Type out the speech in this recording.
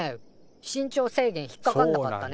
身長制限引っかかんなかったね。